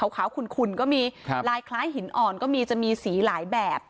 ขุ่นก็มีลายคล้ายหินอ่อนก็มีจะมีสีหลายแบบ